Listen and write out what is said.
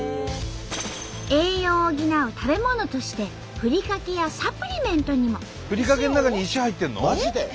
栄養を補う食べ物としてふりかけやサプリメントにも。